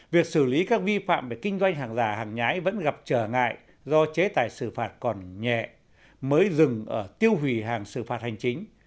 việc xử lý các vi phạm về kinh doanh hàng giả hàng nhái vẫn gặp trở ngại do chế tài xử phạt còn nhẹ mới dừng ở tiêu hủy hàng xử phạt hành chính